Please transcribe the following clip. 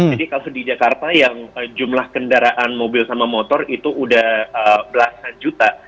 jadi kalau di jakarta yang jumlah kendaraan mobil sama motor itu sudah belasan juta